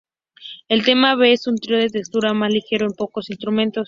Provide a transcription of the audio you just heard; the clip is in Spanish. El tema "B" es un trío, de textura más ligero para pocos instrumentos.